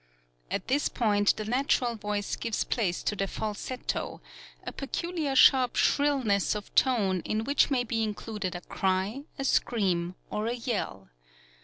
At this point the natural voice gives place to the falsetto, a peculiar sharp shrillness of tone in which may be included a cry, a scream or a yell.